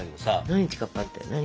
何「ちかっぱ」って？